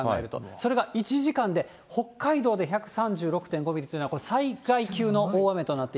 それが１時間で北海道で１３６．５ミリというのは、災害級の大雨